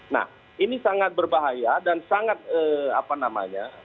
nah ini sangat berbahaya dan sangat apa namanya